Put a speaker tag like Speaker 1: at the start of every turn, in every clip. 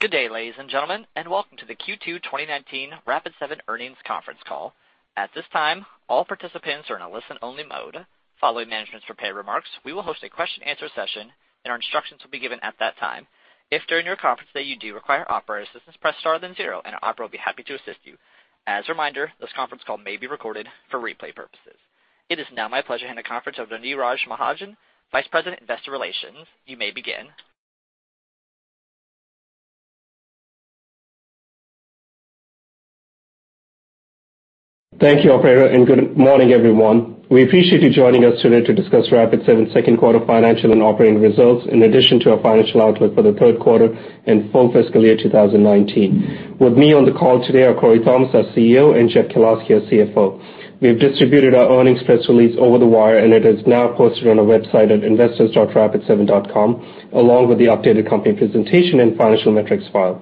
Speaker 1: Good day, ladies and gentlemen, welcome to the Q2 2019 Rapid7 earnings conference call. At this time, all participants are in a listen-only mode. Following management's prepared remarks, we will host a question and answer session. Our instructions will be given at that time. If, during your conference today, you do require operator assistance, press star then zero. An operator will be happy to assist you. As a reminder, this conference call may be recorded for replay purposes. It is now my pleasure to hand the conference over to Neeraj Mahajan, Vice President, Investor Relations. You may begin.
Speaker 2: Thank you, operator, and good morning, everyone. We appreciate you joining us today to discuss Rapid7 second quarter financial and operating results in addition to our financial outlook for the third quarter and full fiscal year 2019. With me on the call today are Corey Thomas, our CEO, and Jeff Kalowski, our CFO. We have distributed our earnings press release over the wire and it is now posted on our website at investors.rapid7.com, along with the updated company presentation and financial metrics file.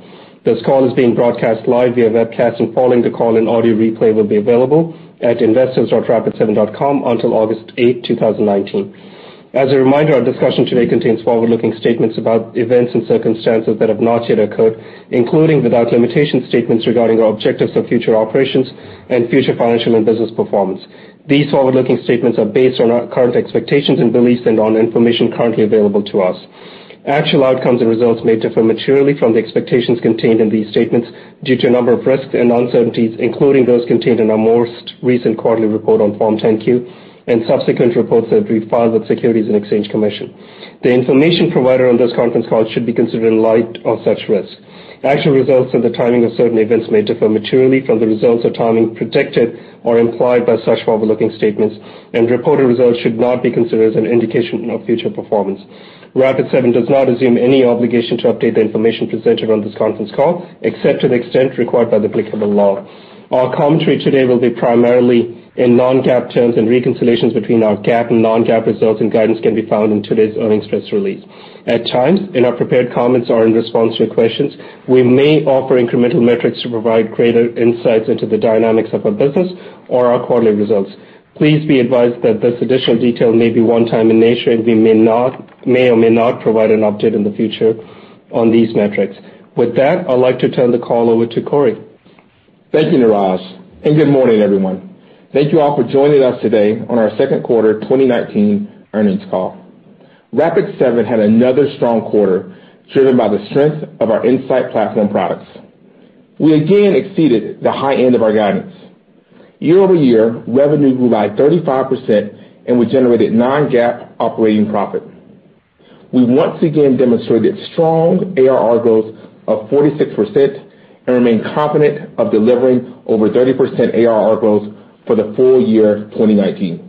Speaker 2: This call is being broadcast live via webcast and following the call, an audio replay will be available at investors.rapid7.com until August 8, 2019. As a reminder, our discussion today contains forward-looking statements about events and circumstances that have not yet occurred, including, without limitation, statements regarding our objectives for future operations and future financial and business performance. These forward-looking statements are based on our current expectations and beliefs and on information currently available to us. Actual outcomes and results may differ materially from the expectations contained in these statements due to a number of risks and uncertainties, including those contained in our most recent quarterly report on Form 10-Q and subsequent reports that we've filed with the Securities and Exchange Commission. The information provided on this conference call should be considered in light of such risks. Actual results and the timing of certain events may differ materially from the results or timing predicted or implied by such forward-looking statements, and reported results should not be considered as an indication of future performance. Rapid7 does not assume any obligation to update the information presented on this conference call, except to the extent required by the applicable law. Our commentary today will be primarily in non-GAAP terms, and reconciliations between our GAAP and non-GAAP results and guidance can be found in today's earnings press release. At times, in our prepared comments or in response to questions, we may offer incremental metrics to provide greater insights into the dynamics of our business or our quarterly results. Please be advised that this additional detail may be one-time in nature, and we may or may not provide an update in the future on these metrics. With that, I'd like to turn the call over to Corey.
Speaker 3: Thank you, Neeraj. Good morning, everyone. Thank you all for joining us today on our second quarter 2019 earnings call. Rapid7 had another strong quarter, driven by the strength of our Insight platform products. We again exceeded the high end of our guidance. Year-over-year, revenue grew by 35%. We generated non-GAAP operating profit. We once again demonstrated strong ARR growth of 46%. We remain confident of delivering over 30% ARR growth for the full year 2019.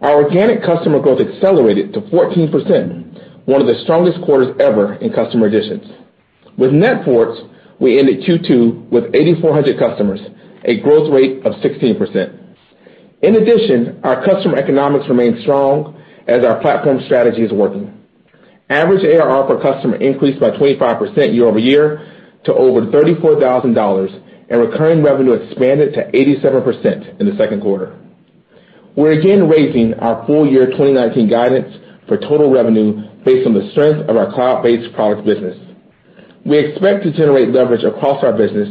Speaker 3: Our organic customer growth accelerated to 14%, one of the strongest quarters ever in customer additions. With NetFort, we ended Q2 with 8,400 customers, a growth rate of 16%. Our customer economics remain strong as our platform strategy is working. Average ARR per customer increased by 25% year-over-year to over $34,000. Recurring revenue expanded to 87% in the second quarter. We're again raising our full year 2019 guidance for total revenue based on the strength of our cloud-based product business. We expect to generate leverage across our business,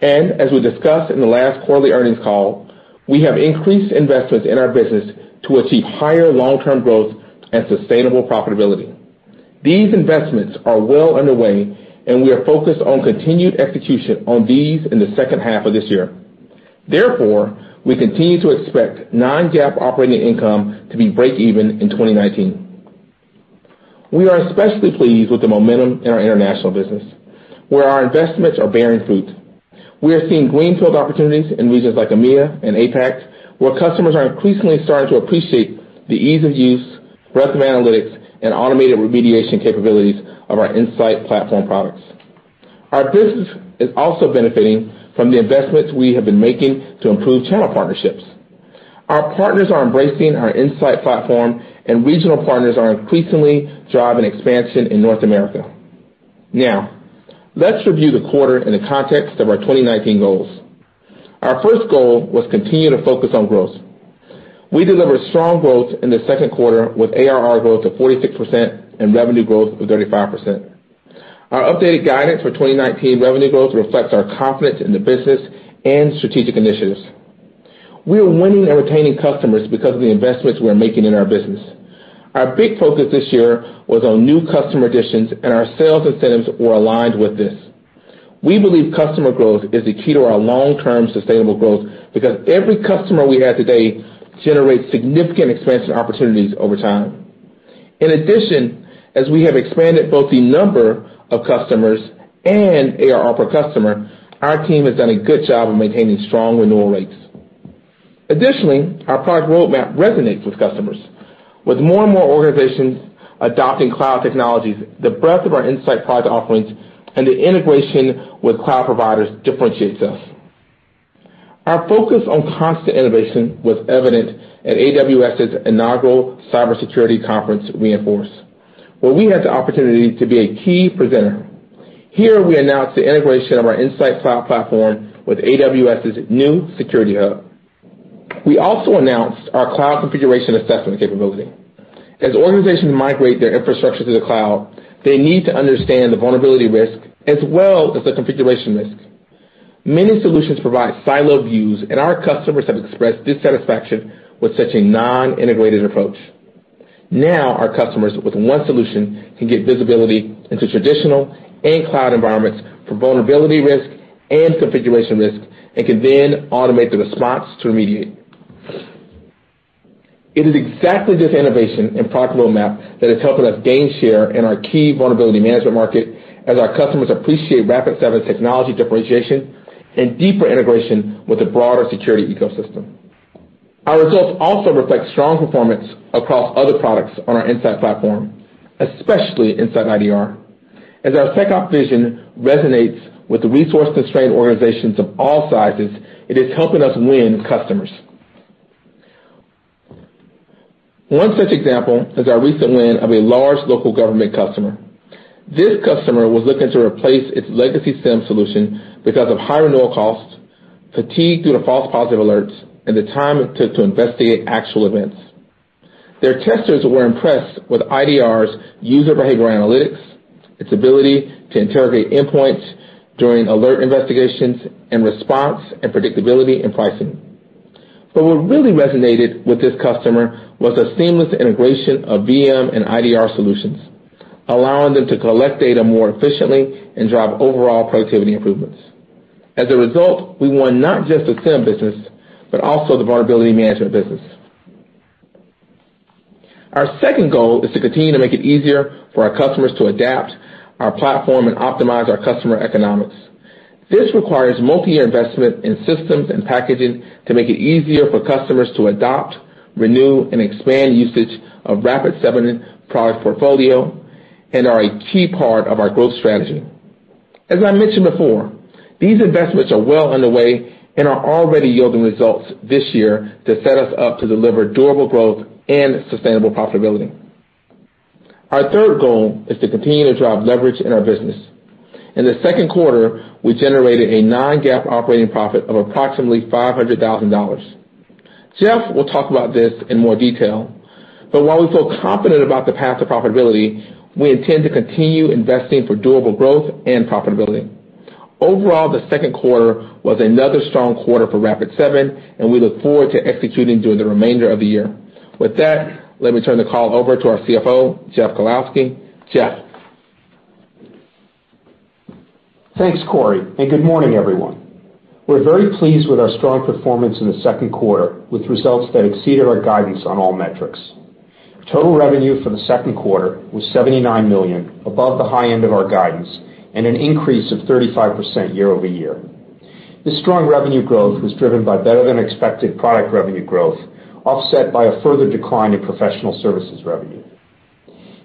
Speaker 3: and as we discussed in the last quarterly earnings call, we have increased investments in our business to achieve higher long-term growth and sustainable profitability. These investments are well underway, and we are focused on continued execution on these in the second half of this year. Therefore, we continue to expect non-GAAP operating income to be break even in 2019. We are especially pleased with the momentum in our international business, where our investments are bearing fruit. We are seeing greenfield opportunities in regions like EMEA and APAC, where customers are increasingly starting to appreciate the ease of use, breadth of analytics, and automated remediation capabilities of our Insight platform products. Our business is also benefiting from the investments we have been making to improve channel partnerships. Our partners are embracing our Insight platform, and regional partners are increasingly driving expansion in North America. Let's review the quarter in the context of our 2019 goals. Our first goal was continue to focus on growth. We delivered strong growth in the second quarter with ARR growth of 46% and revenue growth of 35%. Our updated guidance for 2019 revenue growth reflects our confidence in the business and strategic initiatives. We are winning and retaining customers because of the investments we are making in our business. Our big focus this year was on new customer additions, Our sales incentives were aligned with this. We believe customer growth is the key to our long-term sustainable growth because every customer we add today generates significant expansion opportunities over time. In addition, as we have expanded both the number of customers and ARR per customer, our team has done a good job of maintaining strong renewal rates. Additionally, our product roadmap resonates with customers. With more and more organizations adopting cloud technologies, the breadth of our Insight product offerings and the integration with cloud providers differentiates us. Our focus on constant innovation was evident at AWS's inaugural cybersecurity conference, re:Inforce, where we had the opportunity to be a key presenter. Here, we announced the integration of our Insight Cloud platform with AWS's new Security Hub. We also announced our Cloud Configuration Assessment capability. As organizations migrate their infrastructure to the cloud, they need to understand the vulnerability risk as well as the configuration risk. Many solutions provide siloed views, and our customers have expressed dissatisfaction with such a non-integrated approach. Now, our customers with one solution can get visibility into traditional and cloud environments for vulnerability risk and configuration risk, and can then automate the response to remediate. It is exactly this innovation in Product Roadmap that is helping us gain share in our key vulnerability management market as our customers appreciate Rapid7's technology differentiation and deeper integration with the broader security ecosystem. Our results also reflect strong performance across other products on our Insight platform, especially InsightIDR, as our Tech Op vision resonates with the resource-constrained organizations of all sizes, it is helping us win customers. One such example is our recent win of a large local government customer. This customer was looking to replace its legacy SIEM solution because of high renewal costs, fatigue due to false positive alerts, and the time it took to investigate actual events. Their testers were impressed with InsightIDR's user behavioral analytics, its ability to interrogate endpoints during alert investigations, and response and predictability in pricing. What really resonated with this customer was a seamless integration of InsightVM and InsightIDR solutions, allowing them to collect data more efficiently and drive overall productivity improvements. As a result, we won not just the SIEM business, but also the vulnerability management business. Our second goal is to continue to make it easier for our customers to adapt our platform and optimize our customer economics. This requires multi-year investment in systems and packaging to make it easier for customers to adopt, renew, and expand usage of Rapid7 product portfolio and are a key part of our growth strategy. As I mentioned before, these investments are well underway and are already yielding results this year to set us up to deliver durable growth and sustainable profitability. Our third goal is to continue to drive leverage in our business. In the second quarter, we generated a non-GAAP operating profit of approximately $500,000. Jeff will talk about this in more detail. While we feel confident about the path to profitability, we intend to continue investing for durable growth and profitability. Overall, the second quarter was another strong quarter for Rapid7, and we look forward to executing during the remainder of the year. With that, let me turn the call over to our CFO, Jeff Kalowski. Jeff?
Speaker 4: Thanks, Corey. Good morning, everyone. We're very pleased with our strong performance in the second quarter, with results that exceeded our guidance on all metrics. Total revenue for the second quarter was $79 million, above the high end of our guidance, and an increase of 35% year-over-year. This strong revenue growth was driven by better-than-expected product revenue growth, offset by a further decline in professional services revenue.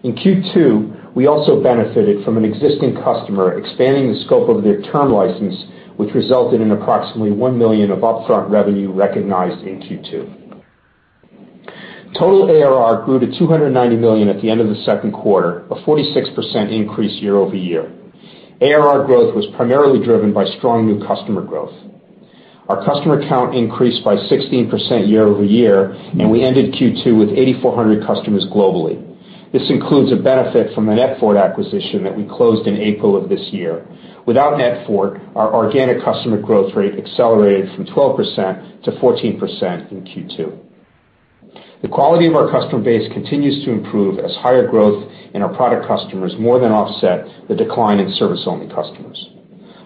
Speaker 4: In Q2, we also benefited from an existing customer expanding the scope of their term license, which resulted in approximately $1 million of upfront revenue recognized in Q2. Total ARR grew to $290 million at the end of the second quarter, a 46% increase year-over-year. ARR growth was primarily driven by strong new customer growth. Our customer count increased by 16% year-over-year, and we ended Q2 with 8,400 customers globally. This includes a benefit from the NetFort acquisition that we closed in April of this year. Without NetFort, our organic customer growth rate accelerated from 12% to 14% in Q2. The quality of our customer base continues to improve as higher growth in our product customers more than offset the decline in service-only customers.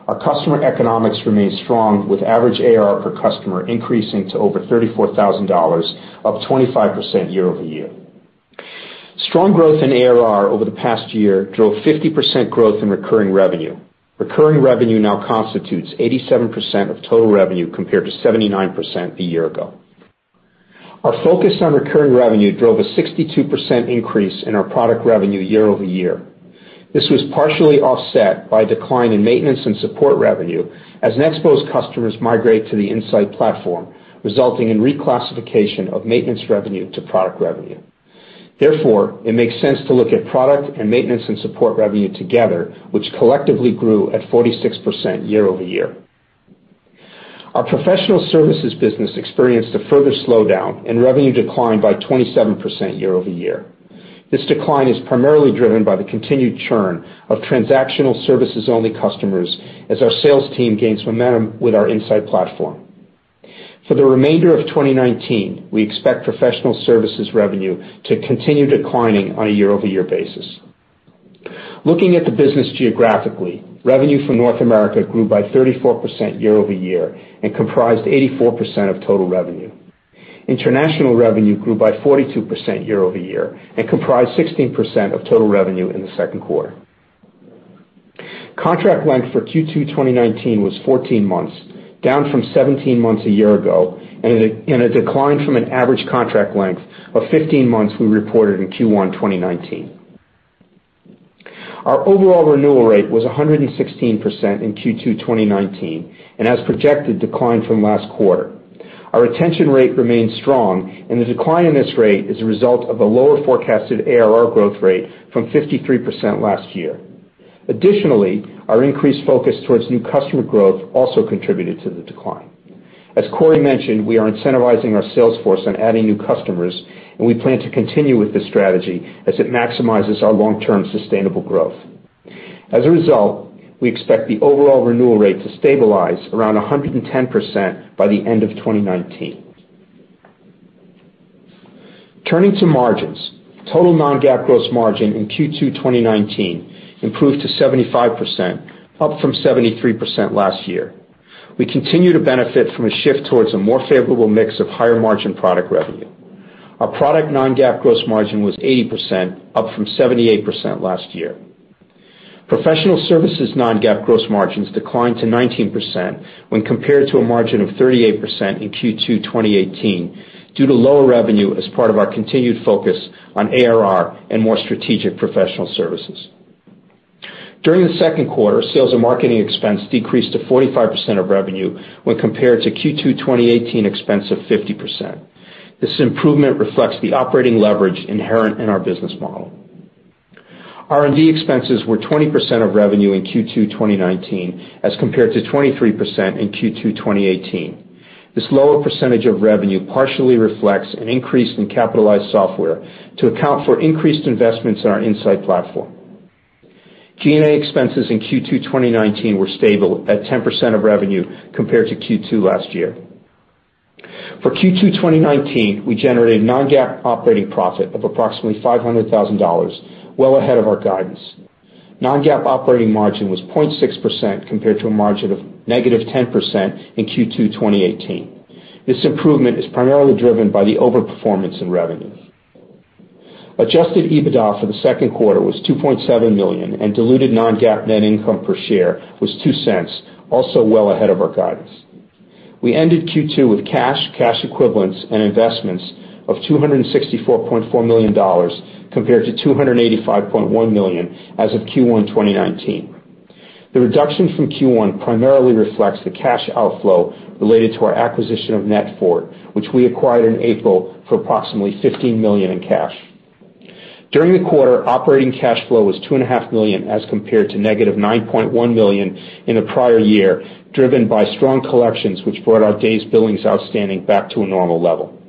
Speaker 4: Our customer economics remain strong, with average ARR per customer increasing to over $34,000, up 25% year-over-year. Strong growth in ARR over the past year drove 50% growth in recurring revenue. Recurring revenue now constitutes 87% of total revenue, compared to 79% a year ago. Our focus on recurring revenue drove a 62% increase in our product revenue year-over-year. This was partially offset by a decline in maintenance and support revenue as NetFort's customers migrate to the Insight platform, resulting in reclassification of maintenance revenue to product revenue. It makes sense to look at product and maintenance and support revenue together, which collectively grew at 46% year-over-year. Our professional services business experienced a further slowdown and revenue declined by 27% year-over-year. This decline is primarily driven by the continued churn of transactional services-only customers as our sales team gains momentum with our Insight platform. For the remainder of 2019, we expect professional services revenue to continue declining on a year-over-year basis. Looking at the business geographically, revenue from North America grew by 34% year-over-year and comprised 84% of total revenue. International revenue grew by 42% year-over-year and comprised 16% of total revenue in the second quarter. Contract length for Q2 2019 was 14 months, down from 17 months a year ago, and a decline from an average contract length of 15 months we reported in Q1 2019. Our overall renewal rate was 116% in Q2 2019, and as projected, declined from last quarter. Our retention rate remains strong, and the decline in this rate is a result of a lower forecasted ARR growth rate from 53% last year. Additionally, our increased focus towards new customer growth also contributed to the decline. As Corey mentioned, we are incentivizing our sales force on adding new customers, and we plan to continue with this strategy as it maximizes our long-term sustainable growth. As a result, we expect the overall renewal rate to stabilize around 110% by the end of 2019. Turning to margins. Total non-GAAP gross margin in Q2 2019 improved to 75%, up from 73% last year. We continue to benefit from a shift towards a more favorable mix of higher-margin product revenue. Our product non-GAAP gross margin was 80%, up from 78% last year. Professional services non-GAAP gross margins declined to 19% when compared to a margin of 38% in Q2 2018 due to lower revenue as part of our continued focus on ARR and more strategic professional services. During the second quarter, sales and marketing expense decreased to 45% of revenue when compared to Q2 2018 expense of 50%. This improvement reflects the operating leverage inherent in our business model. R&D expenses were 20% of revenue in Q2 2019 as compared to 23% in Q2 2018. This lower percentage of revenue partially reflects an increase in capitalized software to account for increased investments in our Insight platform. G&A expenses in Q2 2019 were stable at 10% of revenue compared to Q2 last year. For Q2 2019, we generated non-GAAP operating profit of approximately $500,000, well ahead of our guidance. Non-GAAP operating margin was 0.6% compared to a margin of -10% in Q2 2018. This improvement is primarily driven by the over-performance in revenue. Adjusted EBITDA for the second quarter was $2.7 million, and diluted non-GAAP net income per share was $0.02, also well ahead of our guidance. We ended Q2 with cash equivalents, and investments of $264.4 million, compared to $285.1 million as of Q1 2019. The reduction from Q1 primarily reflects the cash outflow related to our acquisition of NetFort, which we acquired in April for approximately $15 million in cash. During the quarter, operating cash flow was $2.5 million as compared to negative $9.1 million in the prior year, driven by strong collections, which brought our days billings outstanding back to a normal level.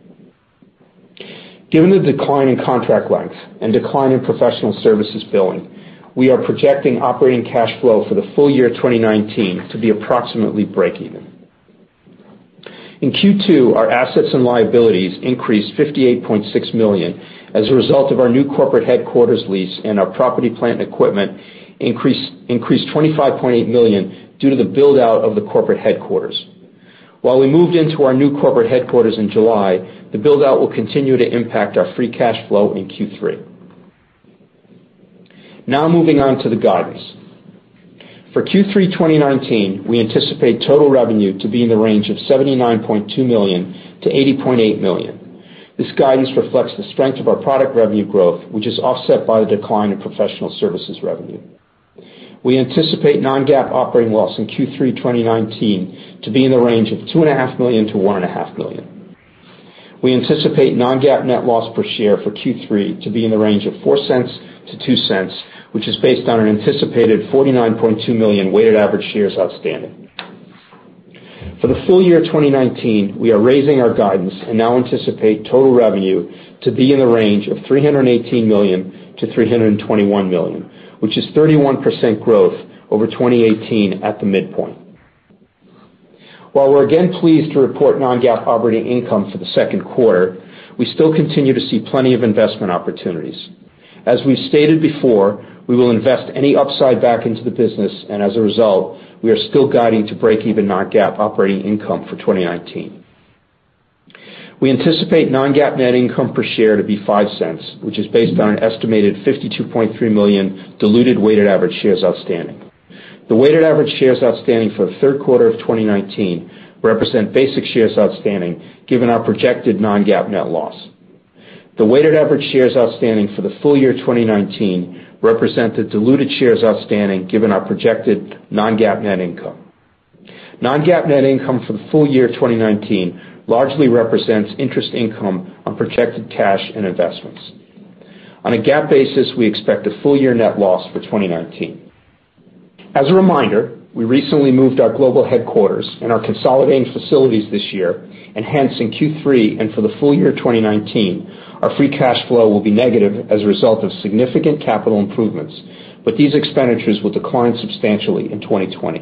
Speaker 4: Given the decline in contract length and decline in professional services billing, we are projecting operating cash flow for the full year 2019 to be approximately breakeven. In Q2, our assets and liabilities increased $58.6 million as a result of our new corporate headquarters lease and our property, plant, and equipment increased $25.8 million due to the build-out of the corporate headquarters. While we moved into our new corporate headquarters in July, the build-out will continue to impact our free cash flow in Q3. Now moving on to the guidance. For Q3 2019, we anticipate total revenue to be in the range of $79.2 million-$80.8 million. This guidance reflects the strength of our product revenue growth, which is offset by the decline in professional services revenue. We anticipate non-GAAP operating loss in Q3 2019 to be in the range of $2.5 million to $1.5 million. We anticipate non-GAAP net loss per share for Q3 to be in the range of $0.04 to $0.02, which is based on an anticipated 49.2 million weighted average shares outstanding. For the full year 2019, we are raising our guidance and now anticipate total revenue to be in the range of $318 million to $321 million, which is 31% growth over 2018 at the midpoint. While we're again pleased to report non-GAAP operating income for the second quarter, we still continue to see plenty of investment opportunities. As we've stated before, we will invest any upside back into the business, and as a result, we are still guiding to break even non-GAAP operating income for 2019. We anticipate non-GAAP net income per share to be $0.05, which is based on an estimated 52.3 million diluted weighted average shares outstanding. The weighted average shares outstanding for the third quarter of 2019 represent basic shares outstanding, given our projected non-GAAP net loss. The weighted average shares outstanding for the full year 2019 represent the diluted shares outstanding, given our projected non-GAAP net income. Non-GAAP net income for the full year 2019 largely represents interest income on projected cash and investments. On a GAAP basis, we expect a full-year net loss for 2019. As a reminder, we recently moved our global headquarters and are consolidating facilities this year, and hence in Q3 and for the full year 2019, our free cash flow will be negative as a result of significant capital improvements. These expenditures will decline substantially in 2020.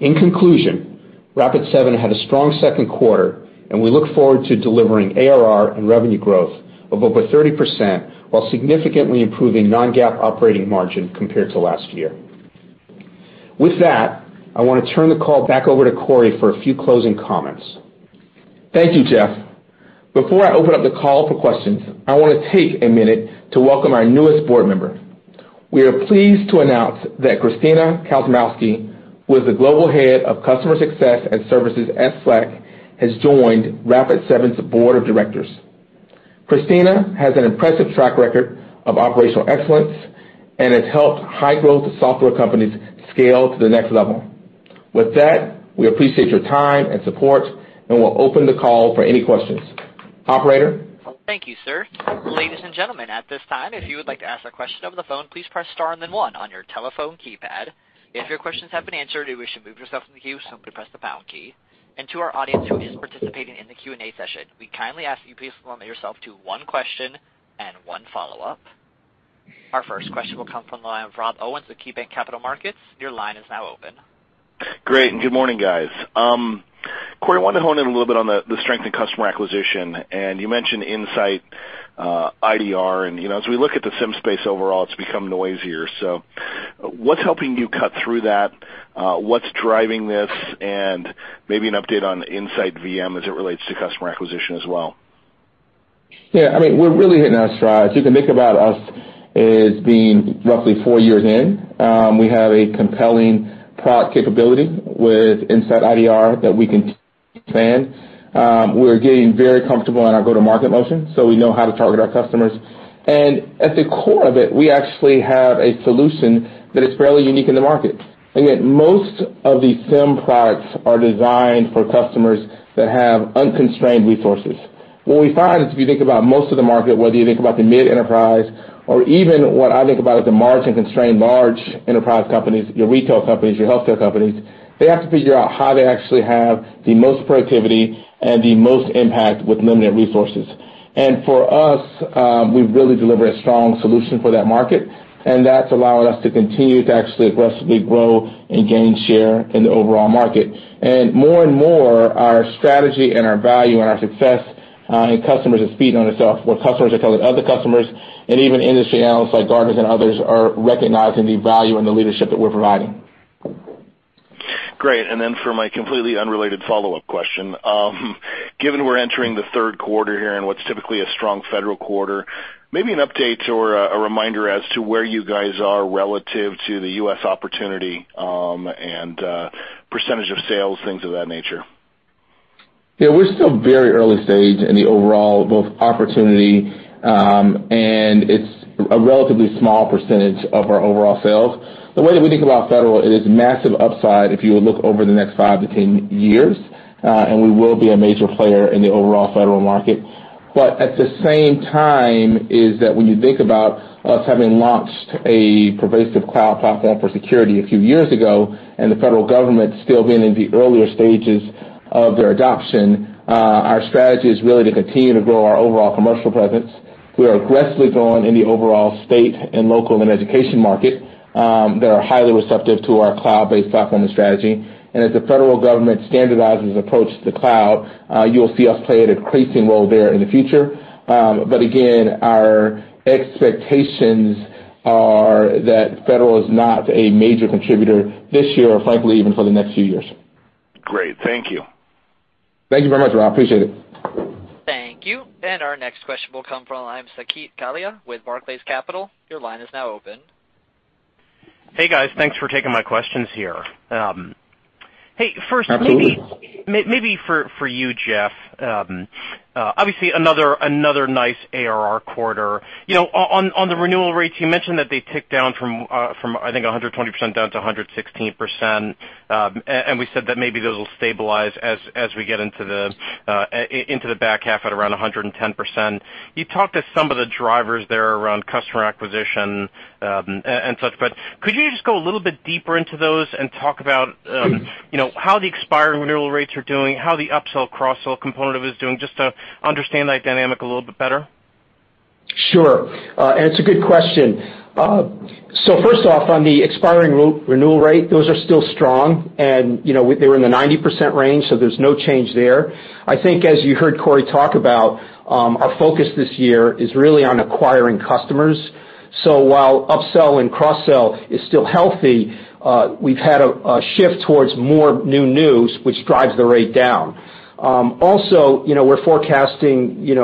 Speaker 4: In conclusion, Rapid7 had a strong second quarter, and we look forward to delivering ARR and revenue growth of over 30% while significantly improving non-GAAP operating margin compared to last year. With that, I want to turn the call back over to Corey for a few closing comments.
Speaker 3: Thank you, Jeff. Before I open up the call for questions, I want to take a minute to welcome our newest board member. We are pleased to announce that Christina Kosmowski, who is the Global Head of Customer Success and Services at Slack, has joined Rapid7's board of directors. Christina has an impressive track record of operational excellence and has helped high-growth software companies scale to the next level. With that, we appreciate your time and support, and we'll open the call for any questions. Operator?
Speaker 1: Thank you, sir. Ladies and gentlemen, at this time, if you would like to ask a question over the phone, please press star and then one on your telephone keypad. If your questions have been answered or you wish to move yourself from the queue, simply press the pound key. To our audience who is participating in the Q&A session, we kindly ask you please limit yourself to one question and one follow-up. Our first question will come from the line of Rob Owens with KeyBanc Capital Markets. Your line is now open.
Speaker 5: Great. Good morning, guys. Corey, I wanted to hone in a little bit on the strength in customer acquisition. You mentioned InsightIDR, and as we look at the SIEM space overall, it's become noisier. What's helping you cut through that? What's driving this? Maybe an update on InsightVM as it relates to customer acquisition as well.
Speaker 3: Yeah, we're really hitting our strides. You can think about us as being roughly four years in. We have a compelling product capability with InsightIDR that we can expand. We're getting very comfortable in our go-to-market motion, so we know how to target our customers. At the core of it, we actually have a solution that is fairly unique in the market. Yet most of the SIEM products are designed for customers that have unconstrained resources. What we find is if you think about most of the market, whether you think about the mid-enterprise or even what I think about as the margin-constrained large enterprise companies, your retail companies, your healthcare companies, they have to figure out how to actually have the most productivity and the most impact with limited resources. For us, we've really delivered a strong solution for that market, and that's allowed us to continue to actually aggressively grow and gain share in the overall market. More and more, our strategy and our value and our success in customers is feeding on itself, where customers are telling other customers, and even industry analysts like Gartner and others are recognizing the value and the leadership that we're providing.
Speaker 5: Great. For my completely unrelated follow-up question, given we're entering the third quarter here in what's typically a strong federal quarter, maybe an update or a reminder as to where you guys are relative to the U.S. opportunity, and percentage of sales, things of that nature.
Speaker 3: Yeah, we're still very early stage in the overall both opportunity, and it's a relatively small percentage of our overall sales. The way that we think about federal, it is massive upside if you look over the next five to 10 years, and we will be a major player in the overall federal market. At the same time is that when you think about us having launched a pervasive cloud platform for security a few years ago, and the federal government still being in the earlier stages of their adoption, our strategy is really to continue to grow our overall commercial presence. We are aggressively growing in the overall state and local and education market, that are highly receptive to our cloud-based platform and strategy. As the federal government standardizes approach to the cloud, you'll see us play an increasing role there in the future. Again, our expectations are that federal is not a major contributor this year or frankly, even for the next few years.
Speaker 5: Great. Thank you.
Speaker 3: Thank you very much, Rob. Appreciate it.
Speaker 1: Thank you. Our next question will come from line of Saket Kalia with Barclays Capital. Your line is now open.
Speaker 6: Hey, guys. Thanks for taking my questions here.
Speaker 3: Absolutely.
Speaker 6: Hey, first maybe for you, Jeff. Obviously another nice ARR quarter. On the renewal rates, you mentioned that they ticked down from I think 120% down to 116%, and we said that maybe those will stabilize as we get into the back half at around 110%. You talked to some of the drivers there around customer acquisition, and such. Could you just go a little bit deeper into those and talk about how the expired renewal rates are doing, how the upsell, cross-sell component of it is doing, just to understand that dynamic a little bit better?
Speaker 4: Sure. It's a good question. First off, on the expiring renewal rate, those are still strong, and they were in the 90% range, so there's no change there. I think as you heard Corey talk about, our focus this year is really on acquiring customers. While upsell and cross-sell is still healthy, we've had a shift towards more new news, which drives the rate down. Also, we're forecasting an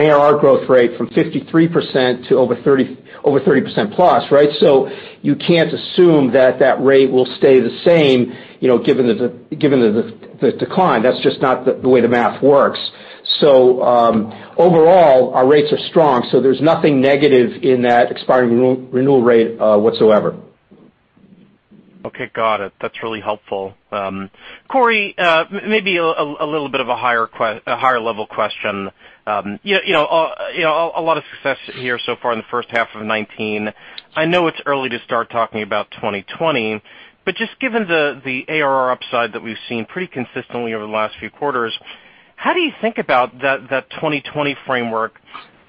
Speaker 4: ARR growth rate from 53% to over 30% plus, right? You can't assume that that rate will stay the same given the decline. That's just not the way the math works. Overall, our rates are strong, so there's nothing negative in that expiring renewal rate whatsoever.
Speaker 6: Okay, got it. That's really helpful. Corey, maybe a little bit of a higher-level question. A lot of success here so far in the first half of 2019. I know it's early to start talking about 2020, just given the ARR upside that we've seen pretty consistently over the last few quarters, how do you think about that 2020 framework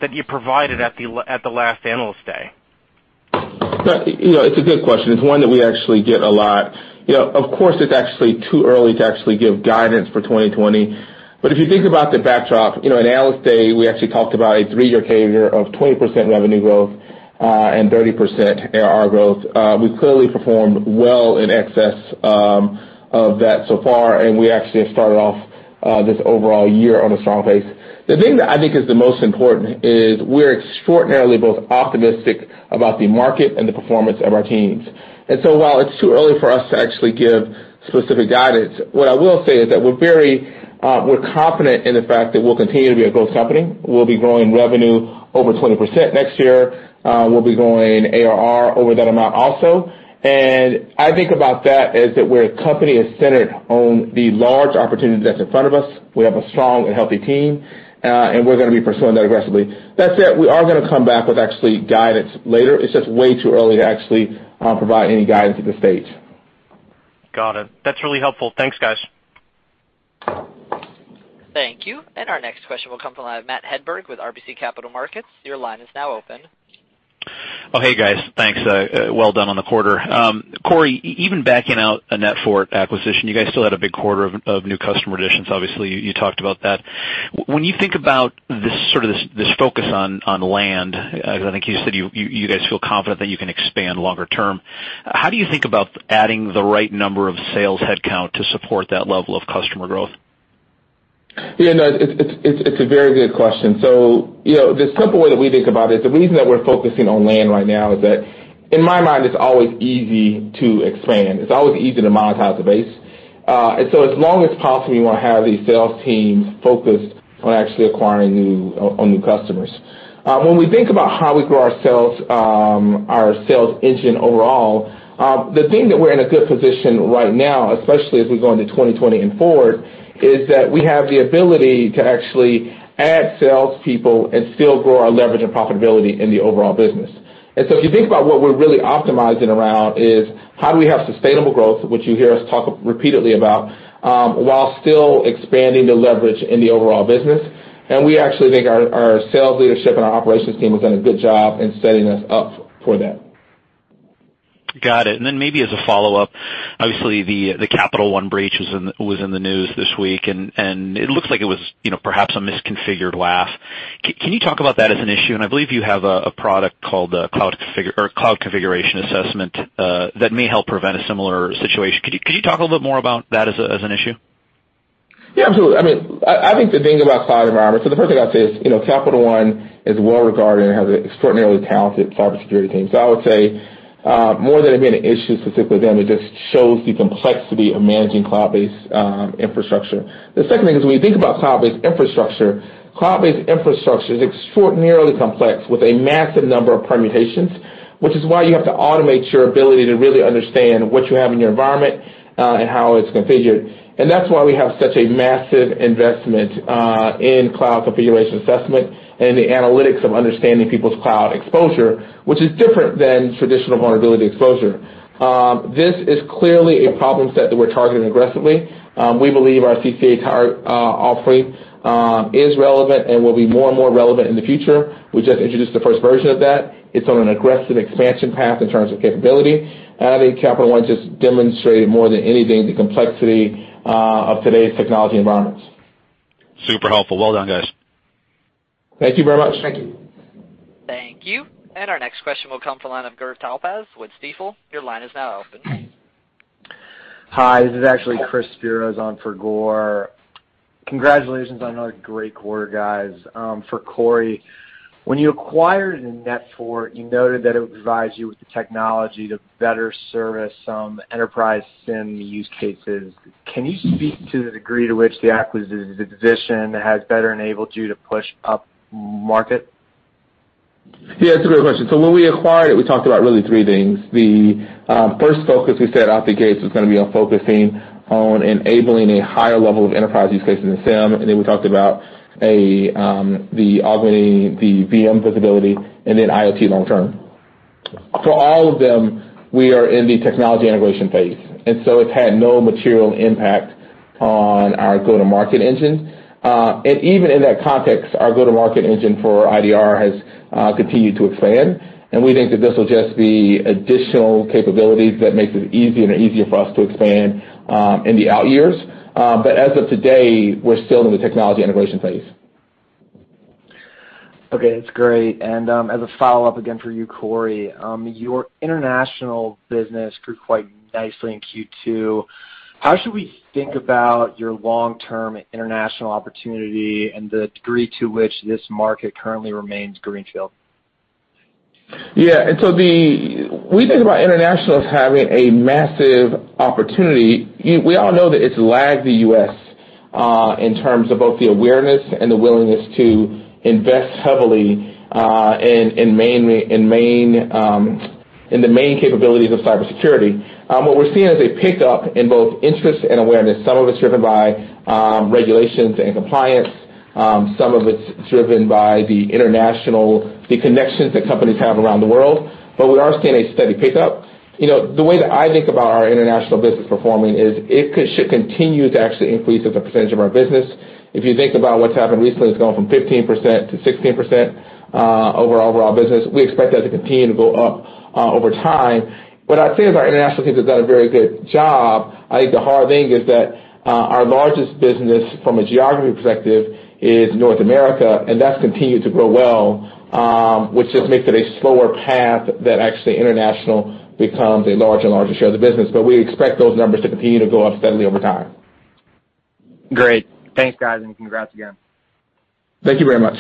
Speaker 6: that you provided at the last Analyst Day?
Speaker 3: It's a good question. It's one that we actually get a lot. Of course, it's actually too early to actually give guidance for 2020. If you think about the backdrop, in Analyst Day, we actually talked about a three-year cadence of 20% revenue growth, and 30% ARR growth. We've clearly performed well in excess of that so far, and we actually have started off this overall year on a strong pace. The thing that I think is the most important is we're extraordinarily both optimistic about the market and the performance of our teams. While it's too early for us to actually give specific guidance, what I will say is that we're confident in the fact that we'll continue to be a growth company. We'll be growing revenue over 20% next year. We'll be growing ARR over that amount also. I think about that as that we're a company that's centered on the large opportunity that's in front of us. We have a strong and healthy team. We're going to be pursuing that aggressively. That said, we are going to come back with actually guidance later. It's just way too early to actually provide any guidance at this stage.
Speaker 6: Got it. That's really helpful. Thanks, guys.
Speaker 1: Thank you. Our next question will come from Matthew Hedberg with RBC Capital Markets. Your line is now open.
Speaker 7: Oh, hey, guys. Thanks. Well done on the quarter. Corey, even backing out a NetFort acquisition, you guys still had a big quarter of new customer additions. Obviously, you talked about that. When you think about this focus on land, because I think you said you guys feel confident that you can expand longer term, how do you think about adding the right number of sales headcount to support that level of customer growth?
Speaker 3: Yeah, no, it's a very good question. The simple way that we think about it is the reason that we're focusing on land right now is that in my mind, it's always easy to expand. It's always easy to monetize the base. As long as possible, you want to have these sales teams focused on actually acquiring on new customers. When we think about how we grow our sales engine overall, the thing that we're in a good position right now, especially as we go into 2020 and forward, is that we have the ability to actually add salespeople and still grow our leverage and profitability in the overall business. If you think about what we're really optimizing around is how do we have sustainable growth, which you hear us talk repeatedly about, while still expanding the leverage in the overall business. We actually think our sales leadership and our operations team have done a good job in setting us up for that.
Speaker 7: Got it. Maybe as a follow-up, obviously the Capital One breach was in the news this week, and it looks like it was perhaps a misconfigured WAF. Can you talk about that as an issue? I believe you have a product called Cloud Configuration Assessment that may help prevent a similar situation. Could you talk a little bit more about that as an issue?
Speaker 3: Yeah, absolutely. I think the thing about cloud environments, so the first thing I'd say is, Capital One is well regarded and has an extraordinarily talented cybersecurity team. I would say, more than it being an issue specifically with them, it just shows the complexity of managing cloud-based infrastructure. The second thing is, when you think about cloud-based infrastructure, cloud-based infrastructure is extraordinarily complex with a massive number of permutations, which is why you have to automate your ability to really understand what you have in your environment, and how it's configured. That's why we have such a massive investment in Cloud Configuration Assessment and the analytics of understanding people's cloud exposure, which is different than traditional vulnerability exposure. This is clearly a problem set that we're targeting aggressively. We believe our CCA offering is relevant and will be more and more relevant in the future. We just introduced the first version of that. It's on an aggressive expansion path in terms of capability. I think Capital One just demonstrated more than anything, the complexity of today's technology environments.
Speaker 7: Super helpful. Well done, guys.
Speaker 3: Thank you very much. Thank you.
Speaker 1: Thank you. Our next question will come from the line of Gur Talpaz with Stifel. Your line is now open.
Speaker 8: Hi, this is actually Chris Prassas on for Gur. Congratulations on another great quarter, guys. For Corey, when you acquired NetFort, you noted that it would provide you with the technology to better service some enterprise SIEM use cases. Can you speak to the degree to which the acquisition has better enabled you to push upmarket?
Speaker 3: Yeah, that's a great question. When we acquired it, we talked about really three things. The first focus we said out the gate was going to be on focusing on enabling a higher level of enterprise use cases in SIEM, then we talked about the augmenting the InsightVM visibility and then IoT long term. For all of them, we are in the technology integration phase, so it's had no material impact on our go-to-market engine. Even in that context, our go-to-market engine for IDR has continued to expand, and we think that this will just be additional capabilities that makes it easier and easier for us to expand in the out years. As of today, we're still in the technology integration phase.
Speaker 8: Okay, that's great. As a follow-up, again for you, Corey, your international business grew quite nicely in Q2. How should we think about your long-term international opportunity and the degree to which this market currently remains greenfield?
Speaker 3: Yeah. We think about international as having a massive opportunity. We all know that it's lagged the U.S. in terms of both the awareness and the willingness to invest heavily in the main capabilities of cybersecurity. What we're seeing is a pickup in both interest and awareness. Some of it's driven by regulations and compliance. Some of it's driven by the international connections that companies have around the world. We are seeing a steady pickup. The way that I think about our international business performing is it should continue to actually increase as a percentage of our business. If you think about what's happened recently, it's gone from 15% to 16% over our overall business. We expect that to continue to go up over time. I'd say is our international team has done a very good job. I think the hard thing is that our largest business from a geography perspective is North America, and that's continued to grow well, which just makes it a slower path that actually international becomes a larger and larger share of the business. We expect those numbers to continue to go up steadily over time.
Speaker 8: Great. Thanks, guys, and congrats again.
Speaker 3: Thank you very much.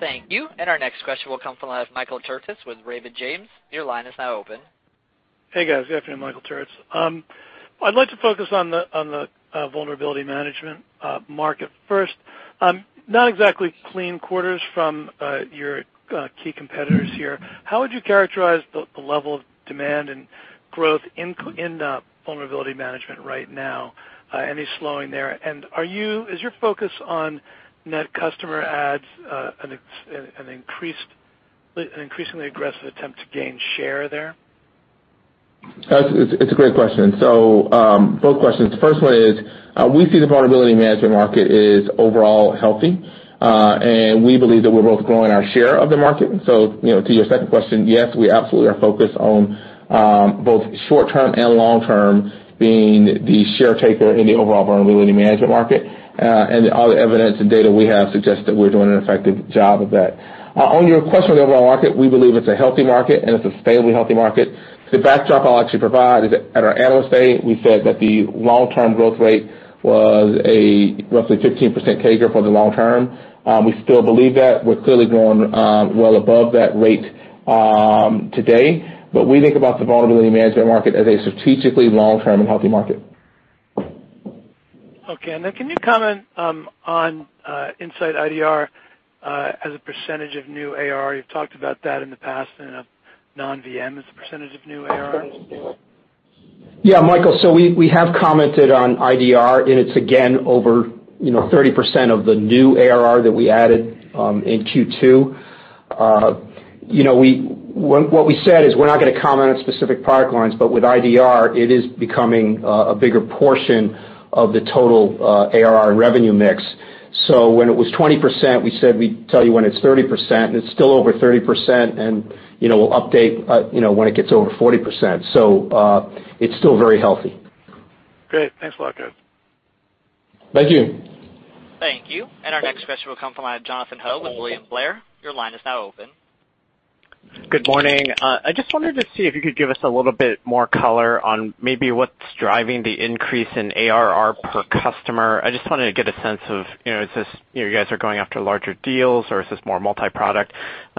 Speaker 1: Thank you. Our next question will come from the line of Michael Turits with Raymond James. Your line is now open.
Speaker 9: Hey, guys. Good afternoon. Michael Turits. I'd like to focus on the vulnerability management market first. Not exactly clean quarters from your key competitors here. How would you characterize the level of demand and growth in vulnerability management right now? Any slowing there? Is your focus on net customer adds an increasingly aggressive attempt to gain share there?
Speaker 3: It's a great question. Both questions. First one is, we see the vulnerability management market is overall healthy, and we believe that we're both growing our share of the market. To your second question, yes, we absolutely are focused on both short-term and long-term being the share taker in the overall vulnerability management market, and all the evidence and data we have suggests that we're doing an effective job of that. On your question on the overall market, we believe it's a healthy market, and it's a stably healthy market. The backdrop I'll actually provide is that at our Analyst Day, we said that the long-term growth rate was a roughly 15% CAGR for the long term. We still believe that. We're clearly growing well above that rate today. We think about the vulnerability management market as a strategically long-term and healthy market.
Speaker 9: Okay. Can you comment on InsightIDR as a percentage of new ARR? You've talked about that in the past in a non-InsightVM as a percentage of new ARR.
Speaker 4: Yeah, Michael. We have commented on IDR, and it's again over 30% of the new ARR that we added in Q2. What we said is we're not going to comment on specific product lines, but with IDR, it is becoming a bigger portion of the total ARR revenue mix. When it was 20%, we said we'd tell you when it's 30%, and it's still over 30%, and we'll update when it gets over 40%. It's still very healthy.
Speaker 9: Great. Thanks a lot, guys.
Speaker 3: Thank you.
Speaker 1: Thank you. Our next question will come from Jonathan Ho with William Blair. Your line is now open.
Speaker 10: Good morning. I just wondered to see if you could give us a little bit more color on maybe what's driving the increase in ARR per customer? I just wanted to get a sense of, is this, you guys are going after larger deals, or is this more multi-product?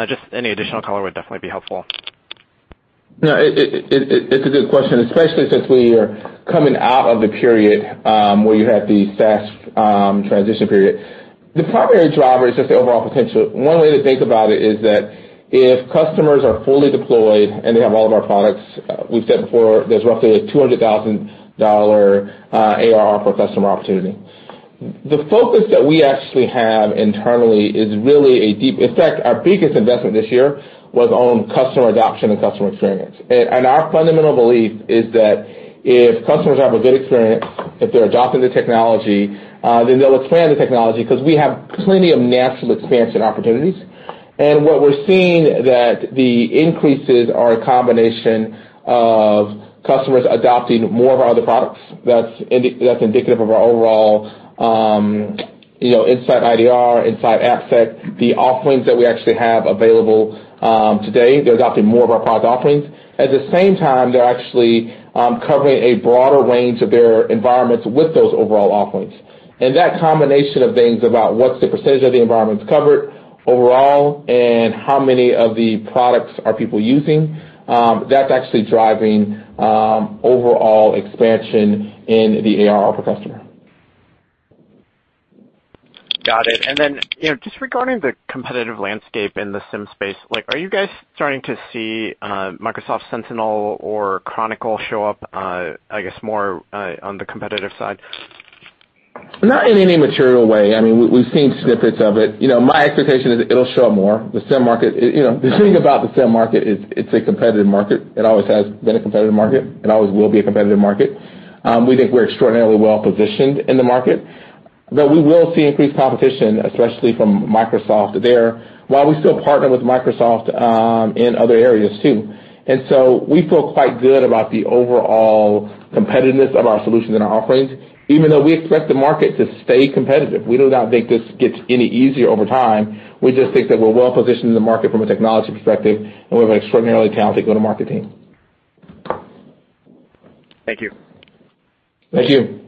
Speaker 10: Just any additional color would definitely be helpful.
Speaker 3: No, it's a good question, especially since we are coming out of the period where you had the SaaS transition period. The primary driver is just the overall potential. One way to think about it is that if customers are fully deployed and they have all of our products, we've said before, there's roughly a $200,000 ARR per customer opportunity. The focus that we actually have internally is really. In fact, our biggest investment this year was on customer adoption and customer experience. Our fundamental belief is that if customers have a good experience, if they're adopting the technology, then they'll expand the technology because we have plenty of natural expansion opportunities. What we're seeing that the increases are a combination of customers adopting more of our other products that's indicative of our overall InsightIDR, InsightAppSec, the offerings that we actually have available today. They're adopting more of our product offerings. At the same time, they're actually covering a broader range of their environments with those overall offerings. And that combination of things about what's the percentage of the environments covered overall and how many of the products are people using, that's actually driving overall expansion in the ARR per customer.
Speaker 10: Got it. Just regarding the competitive landscape in the SIEM space, are you guys starting to see Azure Sentinel or Chronicle show up, I guess, more on the competitive side?
Speaker 3: Not in any material way. We've seen snippets of it. My expectation is it'll show up more. The thing about the SIEM market is it's a competitive market. It always has been a competitive market. It always will be a competitive market. We think we're extraordinarily well-positioned in the market, but we will see increased competition, especially from Microsoft there, while we still partner with Microsoft in other areas, too. We feel quite good about the overall competitiveness of our solutions and our offerings, even though we expect the market to stay competitive. We do not think this gets any easier over time. We just think that we're well-positioned in the market from a technology perspective, and we have an extraordinarily talented go-to-market team.
Speaker 10: Thank you.
Speaker 3: Thank you.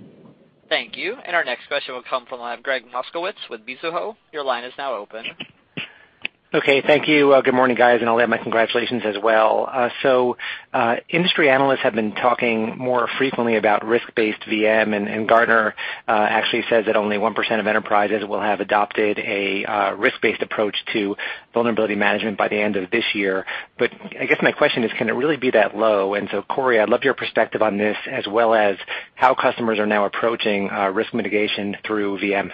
Speaker 1: Thank you. Our next question will come from Gregg Moskowitz with Mizuho. Your line is now open.
Speaker 11: Okay. Thank you. Good morning, guys, and I'll add my congratulations as well. Industry analysts have been talking more frequently about risk-based VM, and Gartner actually says that only 1% of enterprises will have adopted a risk-based approach to vulnerability management by the end of this year. I guess my question is, can it really be that low? Corey, I'd love your perspective on this as well as how customers are now approaching risk mitigation through InsightVM.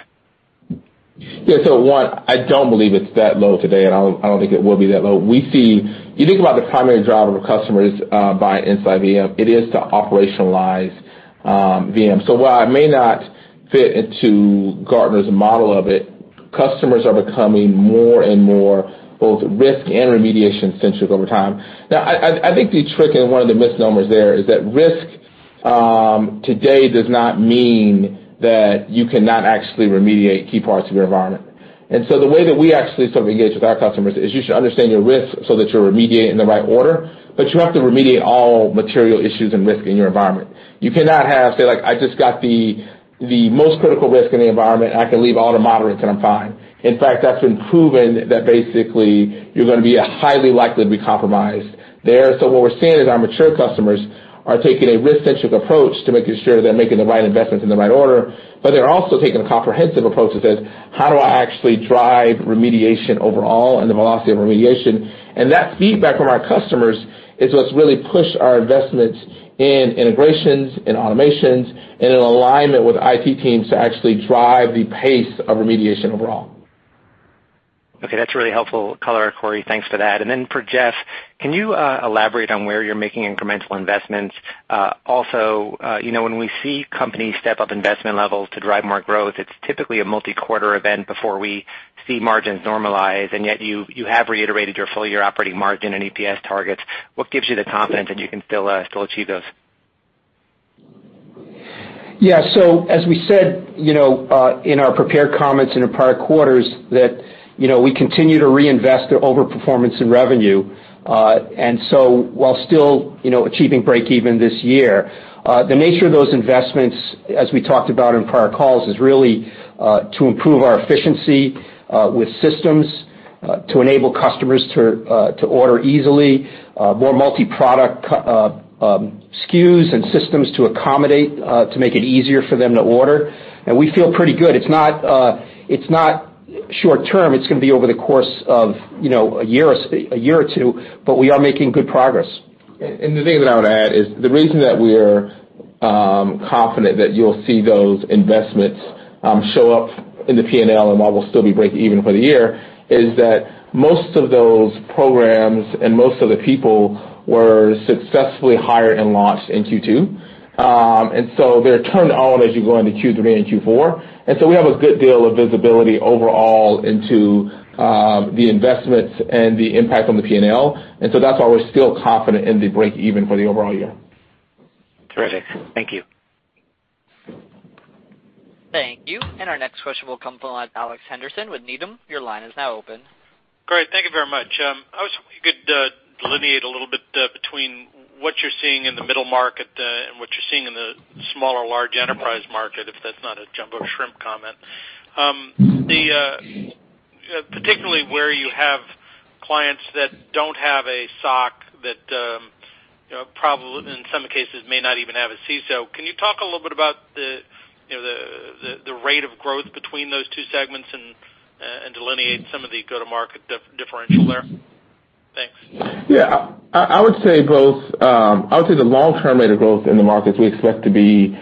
Speaker 3: Yeah. One, I don't believe it's that low today, and I don't think it will be that low. You think about the primary driver of customers buying InsightVM, it is to operationalize InsightVM. While it may not fit into Gartner's model of it, customers are becoming more and more both risk and remediation centric over time. Now, I think the trick and one of the misnomers there is that risk today does not mean that you cannot actually remediate key parts of your environment. The way that we actually sort of engage with our customers is you should understand your risk so that you remediate in the right order, but you have to remediate all material issues and risk in your environment. You cannot have, say, like, "I just got the most critical risk in the environment. I can leave all the moderates, and I'm fine." In fact, that's been proven that basically, you're going to be highly likely to be compromised there. What we're seeing is our mature customers are taking a risk-centric approach to making sure they're making the right investments in the right order, but they're also taking a comprehensive approach that says, "How do I actually drive remediation overall and the velocity of remediation?" That feedback from our customers is what's really pushed our investments in integrations, in automations, and in alignment with IT teams to actually drive the pace of remediation overall.
Speaker 11: Okay, that's really helpful color, Corey. Thanks for that. For Jeff, can you elaborate on where you're making incremental investments? When we see companies step up investment levels to drive more growth, it's typically a multi-quarter event before we see margins normalize, and yet you have reiterated your full-year operating margin and EPS targets. What gives you the confidence that you can still achieve those?
Speaker 4: As we said in our prepared comments in the prior quarters that we continue to reinvest the over-performance in revenue. While still achieving breakeven this year. The nature of those investments, as we talked about in prior calls, is really to improve our efficiency, with systems, to enable customers to order easily, more multi-product SKUs and systems to accommodate, to make it easier for them to order. We feel pretty good. It's not short-term. It's going to be over the course of a year or two, but we are making good progress.
Speaker 3: The thing that I would add is the reason that we're confident that you'll see those investments show up in the P&L and why we'll still be breakeven for the year is that most of those programs and most of the people were successfully hired and launched in Q2. They're turned on as you go into Q3 and Q4. We have a good deal of visibility overall into the investments and the impact on the P&L. That's why we're still confident in the breakeven for the overall year.
Speaker 11: Terrific. Thank you.
Speaker 1: Thank you. Our next question will come from Alex Henderson with Needham. Your line is now open.
Speaker 12: Great. Thank you very much. I was hoping you could delineate a little bit between what you're seeing in the middle market, and what you're seeing in the smaller, large enterprise market, if that's not a jumbo shrimp comment. Particularly where you have clients that don't have a SOC that, in some cases, may not even have a CISO. Can you talk a little bit about the rate of growth between those two segments and delineate some of the go-to-market differential there? Thanks.
Speaker 3: Yeah. I would say the long-term rate of growth in the markets we expect to be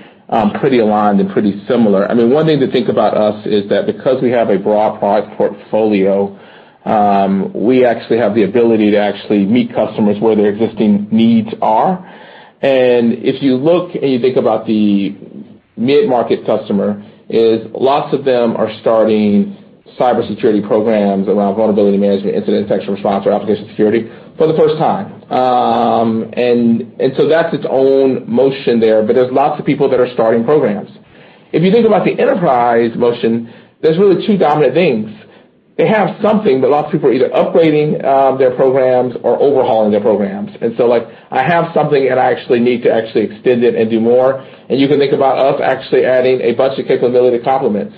Speaker 3: pretty aligned and pretty similar. One thing to think about us is that because we have a broad product portfolio, we actually have the ability to actually meet customers where their existing needs are. If you look and you think about the mid-market customer is lots of them are starting cybersecurity programs around vulnerability management, incident detection response, or application security for the first time. So that's its own motion there, but there's lots of people that are starting programs. If you think about the enterprise motion, there's really two dominant things. They have something, but lots of people are either upgrading their programs or overhauling their programs. I have something and I actually need to actually extend it and do more, and you can think about us actually adding a bunch of capability to complement.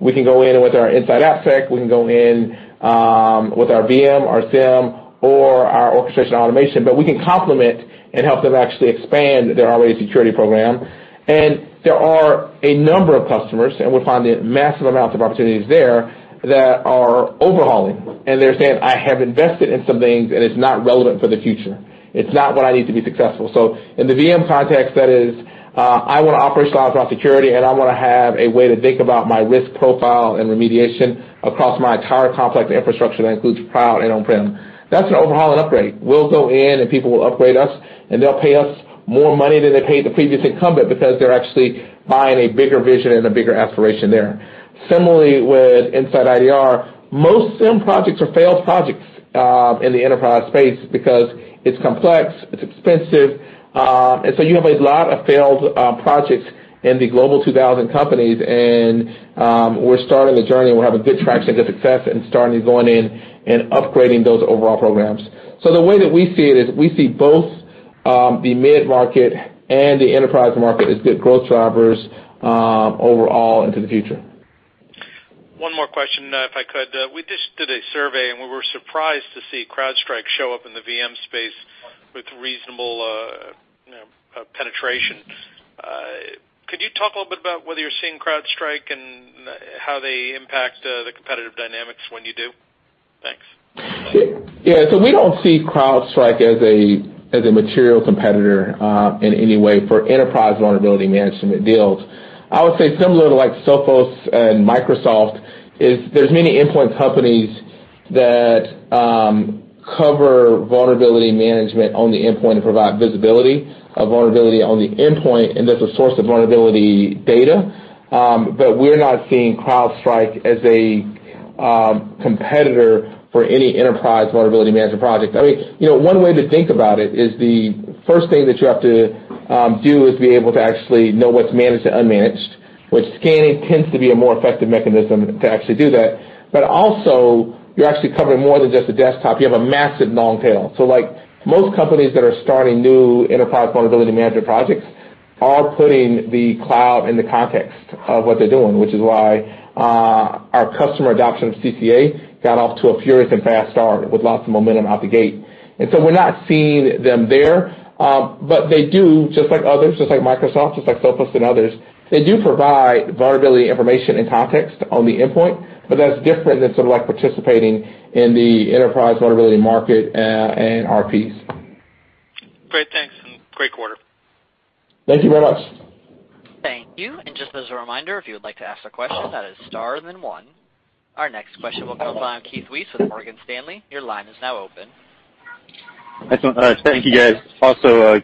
Speaker 3: We can go in with our InsightAppSec, we can go in with our InsightVM, our SIEM, or our InsightConnect, but we can complement and help them actually expand their security program. There are a number of customers, and we're finding massive amounts of opportunities there that are overhauling. They're saying, "I have invested in some things, and it's not relevant for the future. It's not what I need to be successful." In the InsightVM context, that is, I want to operationalize across security, and I want to have a way to think about my risk profile and remediation across my entire complex infrastructure that includes cloud and on-prem. That's an overhaul and upgrade. We'll go in and people will upgrade us, and they'll pay us more money than they paid the previous incumbent because they're actually buying a bigger vision and a bigger aspiration there. Similarly, with InsightIDR, most SIEM projects are failed projects in the enterprise space because it's complex, it's expensive, and so you have a lot of failed projects in the Global 2000 companies, and we're starting the journey. We have a good traction to success and starting going in and upgrading those overall programs. The way that we see it is we see both the mid-market and the enterprise market as good growth drivers overall into the future.
Speaker 12: One more question, if I could. We just did a survey, we were surprised to see CrowdStrike show up in the InsightVM space with reasonable penetration. Could you talk a little bit about whether you're seeing CrowdStrike and how they impact the competitive dynamics when you do? Thanks.
Speaker 3: Yeah. We don't see CrowdStrike as a material competitor in any way for enterprise vulnerability management deals. I would say similar to like Sophos and Microsoft, is there's many endpoint companies that cover vulnerability management on the endpoint and provide visibility of vulnerability on the endpoint, and there's a source of vulnerability data. We're not seeing CrowdStrike as a competitor for any enterprise vulnerability management project. One way to think about it is the first thing that you have to do is be able to actually know what's managed and unmanaged, which scanning tends to be a more effective mechanism to actually do that. Also, you're actually covering more than just a desktop. You have a massive long tail. Like most companies that are starting new enterprise vulnerability management projects are putting the cloud in the context of what they're doing, which is why our customer adoption of CCA got off to a furious and fast start with lots of momentum out the gate. We're not seeing them there. They do, just like others, just like Microsoft, just like Sophos and others, they do provide vulnerability information and context on the endpoint, but that's different than sort of like participating in the enterprise vulnerability market, and our piece. Thank you very much.
Speaker 1: Thank you. Just as a reminder, if you would like to ask a question, that is star then one. Our next question will come from Keith Weiss with Morgan Stanley. Your line is now open.
Speaker 13: Thank you, guys. A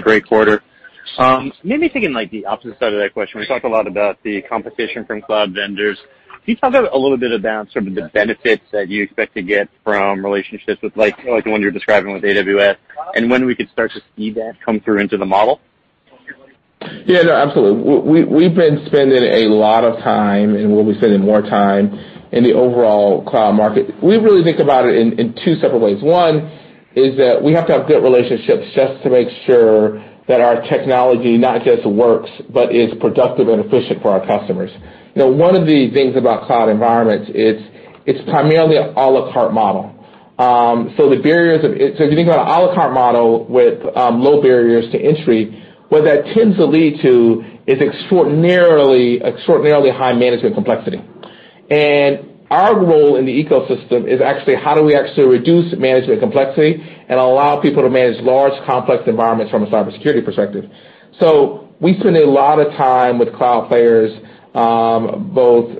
Speaker 13: great quarter. Maybe thinking like the opposite side of that question. We talked a lot about the competition from cloud vendors. Can you talk a little bit about some of the benefits that you expect to get from relationships with like the one you're describing with AWS, and when we could start to see that come through into the model?
Speaker 3: Yeah. No, absolutely. We've been spending a lot of time, we'll be spending more time in the overall cloud market. We really think about it in two separate ways. One is that we have to have good relationships just to make sure that our technology not just works but is productive and efficient for our customers. One of the things about cloud environments, it's primarily a la carte model. If you think about a la carte model with low barriers to entry, what that tends to lead to is extraordinarily high management complexity. Our role in the ecosystem is actually how do we actually reduce management complexity and allow people to manage large, complex environments from a cybersecurity perspective. We spend a lot of time with cloud players, both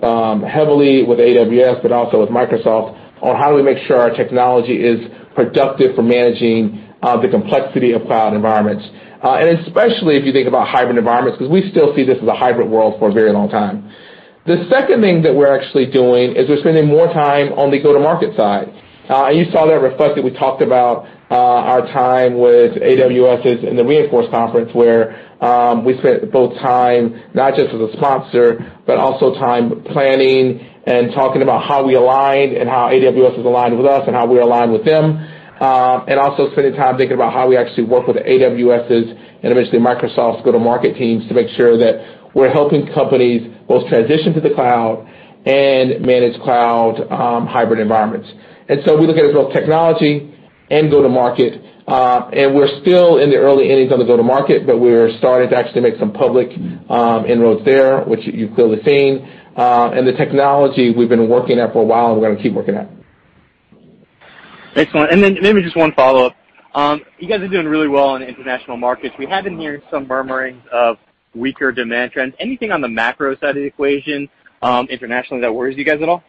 Speaker 3: heavily with AWS but also with Microsoft, on how do we make sure our technology is productive for managing the complexity of cloud environments, and especially if you think about hybrid environments, because we still see this as a hybrid world for a very long time. The second thing that we're actually doing is we're spending more time on the go-to-market side. You saw that reflected. We talked about our time with AWS in the re:Inforce conference, where we spent both time not just as a sponsor, but also time planning and talking about how we align and how AWS is aligned with us and how we align with them. Also spending time thinking about how we actually work with AWS' and eventually Microsoft's go-to-market teams to make sure that we're helping companies both transition to the cloud and manage cloud hybrid environments. We look at it as both technology and go-to-market, and we're still in the early innings on the go-to-market, but we're starting to actually make some public inroads there, which you've clearly seen. The technology we've been working at for a while, and we're going to keep working at.
Speaker 13: Excellent. Maybe just one follow-up. You guys are doing really well in international markets. We have been hearing some murmurings of weaker demand trends. Anything on the macro side of the equation internationally that worries you guys at all?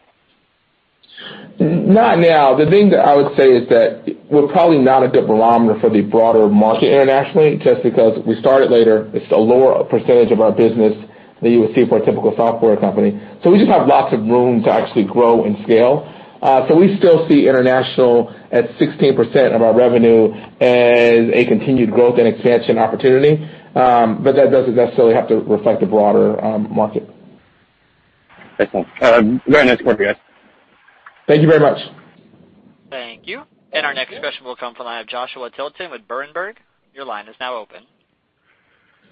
Speaker 3: Not now. The thing that I would say is that we're probably not a good barometer for the broader market internationally just because we started later. It's a lower percentage of our business than you would see for a typical software company. We just have lots of room to actually grow and scale. We still see international at 16% of our revenue as a continued growth and expansion opportunity. That doesn't necessarily have to reflect the broader market.
Speaker 13: Excellent. Very nice quarter, guys.
Speaker 3: Thank you very much.
Speaker 1: Thank you. Our next question will come from the line of Joshua Tilton with Berenberg. Your line is now open.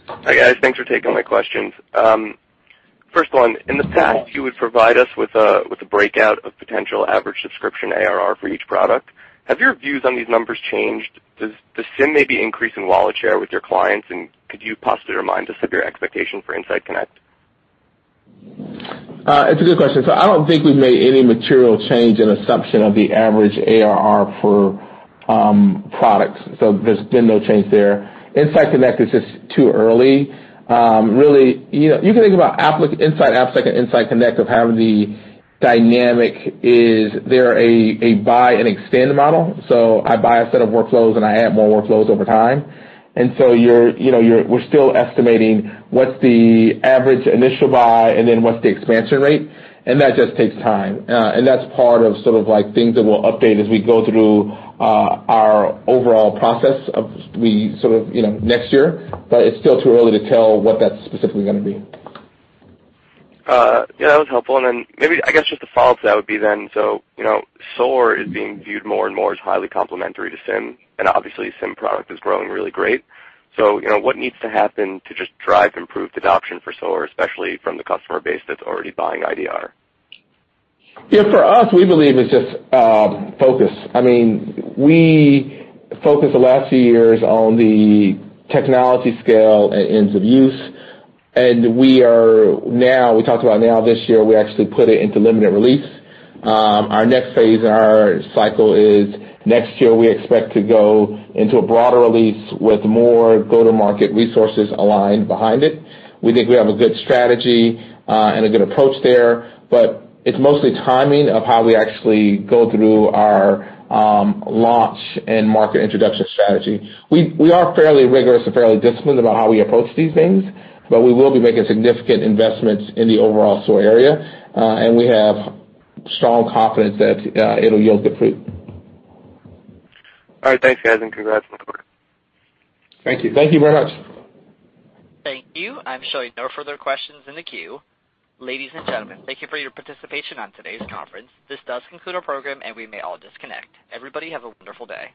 Speaker 14: Hi, guys. Thanks for taking my questions. First one, in the past, you would provide us with a breakout of potential average subscription ARR for each product. Have your views on these numbers changed? Does SIEM maybe increase in wallet share with your clients? Could you possibly remind us of your expectation for InsightConnect?
Speaker 3: It's a good question. I don't think we've made any material change in assumption of the average ARR for products. There's been no change there. InsightConnect is just too early. Really, you can think about InsightAppSec like an InsightConnect of how the dynamic is they're a buy and extend model. I buy a set of workflows, and I add more workflows over time. We're still estimating what's the average initial buy and then what's the expansion rate, and that just takes time. That's part of sort of like things that we'll update as we go through our overall process of next year. It's still too early to tell what that's specifically going to be.
Speaker 14: Yeah, that was helpful. Maybe, I guess, just a follow-up to that would be then, so SOAR is being viewed more and more as highly complementary to SIEM, and obviously, SIEM product is growing really great. What needs to happen to just drive improved adoption for SOAR, especially from the customer base that's already buying IDR?
Speaker 3: Yeah, for us, we believe it's just focus. I mean, we focused the last few years on the technology scale and ease of use. We talked about now this year, we actually put it into limited release. Our next phase in our cycle is next year, we expect to go into a broader release with more go-to-market resources aligned behind it. We think we have a good strategy and a good approach there, but it's mostly timing of how we actually go through our launch and market introduction strategy. We are fairly rigorous and fairly disciplined about how we approach these things, but we will be making significant investments in the overall SOAR area, and we have strong confidence that it'll yield good fruit.
Speaker 14: All right. Thanks, guys, and congrats on the quarter.
Speaker 3: Thank you. Thank you very much.
Speaker 1: Thank you. I'm showing no further questions in the queue. Ladies and gentlemen, thank you for your participation on today's conference. This does conclude our program, and we may all disconnect. Everybody, have a wonderful day.